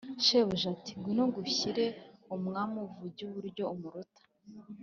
shebuja ati: "ngwino ngushyire umwami uvuge uburyo umuruta."